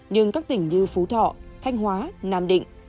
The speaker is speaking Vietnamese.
nhưng các tỉnh như phú thọ thanh hóa nam định